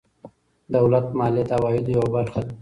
دولت مالیه د عوایدو یوه برخه ده.